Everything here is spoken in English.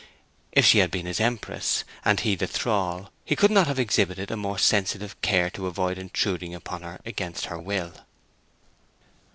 If she had been his empress, and he her thrall, he could not have exhibited a more sensitive care to avoid intruding upon her against her will.